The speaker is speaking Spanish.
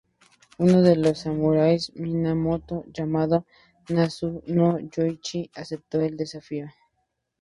Uno de los samurai Minamoto, llamado Nasu no Yoichi, aceptó el desafío.